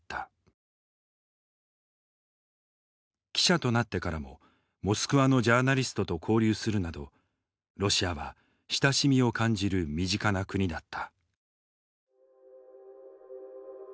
記者となってからもモスクワのジャーナリストと交流するなどロシアは親しみを感じる身近な国だった。